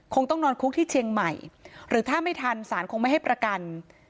คงต้องนอนคุกที่เชียงใหม่หรือถ้าไม่ทันศาลคงไม่ให้ประกัน